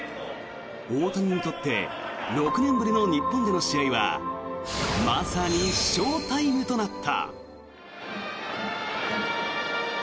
大谷にとって６年ぶりの日本での試合はまさにＳＨＯＷＴＩＭＥとなった。